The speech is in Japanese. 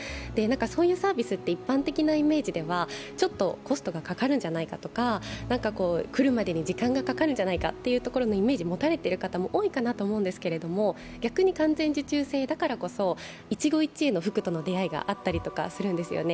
そういうサービスって一般的なイメージではちょっとコストがかかるんじゃないかとか、来るまでに時間がかかるんじゃないかというイメージを持たれている方も多いと思うんですけど、逆に完全受注制だからこそ一期一会の服との出会いがあったりするんですよね。